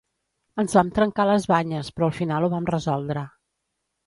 Ens vam trencar les banyes, però al final ho vam resoldre.